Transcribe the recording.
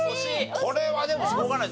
これはでもしょうがない。